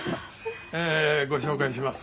えーご紹介します。